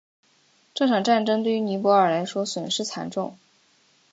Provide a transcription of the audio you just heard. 这场战争对于尼泊尔来说损失惨重。